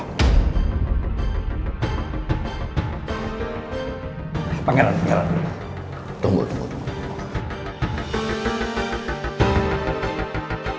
bayi cuma pengen melukap kepala papa